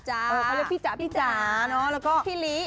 เออเขาเรียกว่าพี่จ๋าแล้วก็พี่ลิ